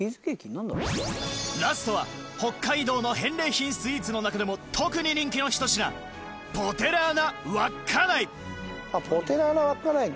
ラストは北海道の返礼品スイーツの中でも特に人気の１品ポテラーナワッカナイか。